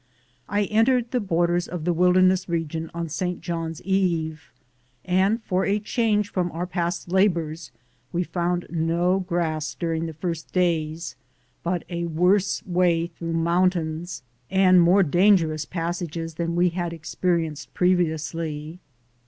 I entered the borders of the . wilderness region on Saint John's eve, and, V 165 sit, Google THE JODRNEY OP CORONADO for a change from our past labors, we found no grass during the first days, but a worse way through mountains and more dangerous passages than we had experienced previously.